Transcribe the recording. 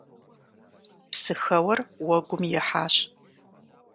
Псыхэуэр уэгум ихьащ.